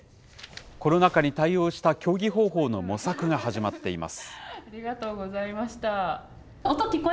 コロナ禍に対応した競技方法の模索が始まっています。